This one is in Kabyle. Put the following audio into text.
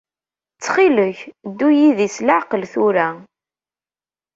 Ttxil-k, ddu yid-i s leɛqel tura.